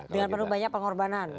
dengan penuh banyak pengorbanan